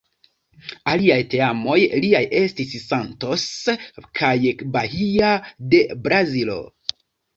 Aliaj teamoj liaj estis Santos kaj Bahia de Brazilo.